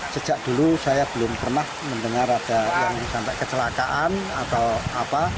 sejak dulu saya belum pernah mendengar ada yang sampai kecelakaan atau apa